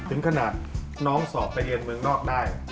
ถึงขนาดน้องสอบไปเรียนเมืองนอกได้